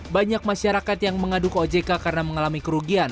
banyak masyarakat yang mengadu ke ojk karena mengalami kerugian